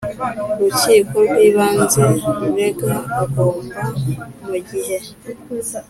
Rukiko rw Ibanze Urega agomba mu gihe